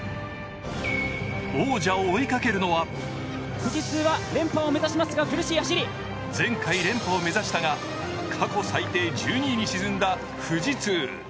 王者を追いかけるのは前回連覇を目指したが、過去最低１２位に沈んだ富士通。